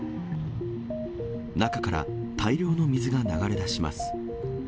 中から大量の水が流れ出します。